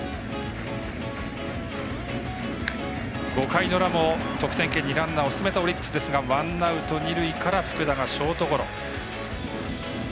５回の裏も得点圏にランナーを進めたオリックスですがワンアウト、二塁から福田がショートゴロ。